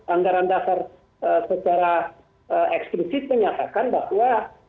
anggaran dasar secara eksklusif menyatakan bahwa